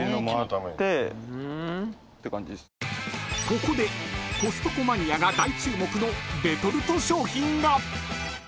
［ここでコストコマニアが大注目のレトルト商品が］